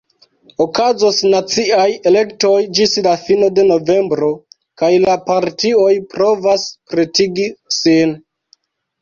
Okazos naciaj elektoj ĝis la fino de novembro, kaj la partioj provas pretigi sin.